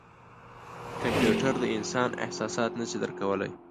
کمپیوټر د انسان احساسات نه شي درک کولای.